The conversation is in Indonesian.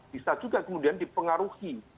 bisa juga kemudian dipengaruhi